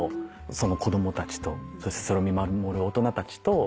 子供たちとそれを見守る大人たちと。